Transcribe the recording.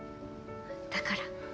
だから。